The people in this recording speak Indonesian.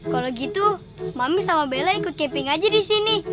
kalau gitu mami sama bella ikut camping aja disini